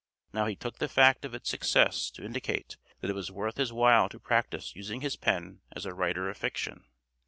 Now he took the fact of its success to indicate that it was worth his while to practice using his pen as a writer of fiction.